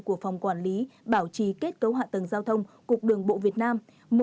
của phòng quản lý bảo trì kết cấu hạ tầng giao thông cục đường bộ việt nam